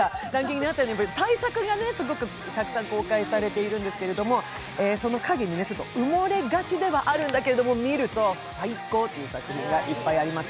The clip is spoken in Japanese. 大作がすごくたくさん公開されているんですけど、その影に埋もれがちではあるんだけれども見ると最高っていう作品がいっぱいあります。